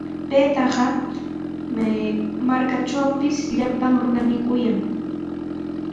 Paytaqa may markatrawpis llapan runami kuyan.